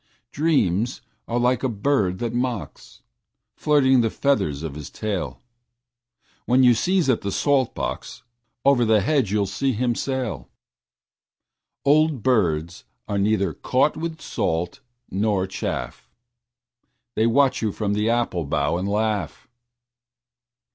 Dreams are like a bird that mocks, Flirting the feathers of his tail. When you sieze at the salt box, Over the hedge you'll see him sail. Old birds are neither caught with salt nor chaff: They watch you from the apple bough and laugh.